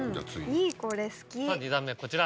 ２段目こちら。